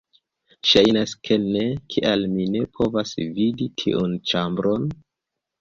Ŝajnas ke ne... kial mi ne povas vidi tiun ĉambron?